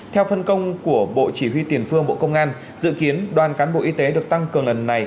theo phân công của bộ chỉ huy tiền phương bộ công an dự kiến đoàn cán bộ y tế được tăng cường lần này